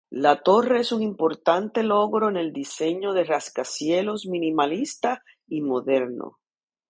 La torre es un importante logro en el diseño de rascacielos minimalista y moderno.